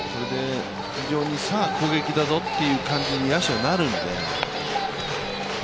さあ攻撃だぞという感じに野手はなるんで。